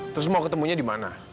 terus mau ketemunya di mana